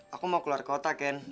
aku mau keluar kota kan